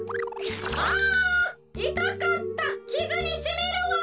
「あいたかったきずにしみるわ！」。